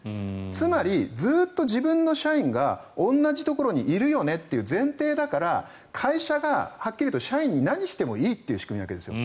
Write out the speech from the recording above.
つまりずっと自分の社員が同じところにいるよねという前提だから会社がはっきり言うと社員に何してもいいという仕組みなわけです。